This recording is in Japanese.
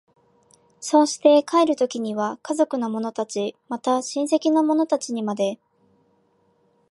そうして帰る時には家族の者たち、また親戚の者たちにまで、